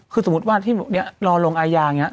คือสมมุติว่าที่หมดนี้นี่ลองลงอายาแบบนี้